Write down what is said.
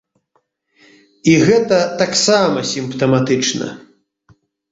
І гэта таксама сімптаматычна.